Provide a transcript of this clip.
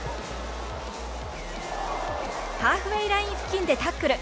ハーフウェーライン付近でタックル。